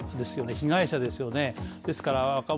被害者ですよね。